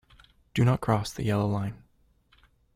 Do not cross the yellow line.